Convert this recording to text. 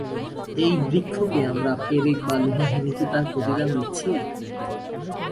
এই বৃক্ষকে আমরা পেরেক বা লোহা হেনে কি তার প্রতিদান দিচ্ছি?